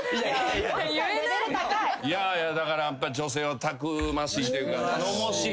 だから女性はたくましいというか頼もしい。